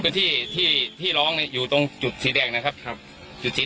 พื้นที่ที่ที่ร้องเนี่ยอยู่ตรงจุดสีแดงนะครับครับจุดสี